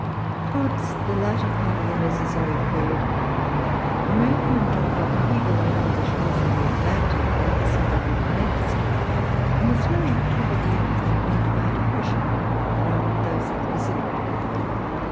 Towards the latter part of the Mesozoic period the movement of upheaval around the shores of the Atlantic once more recommenced, and was very probably accompanied by a depression around those of the Pacific.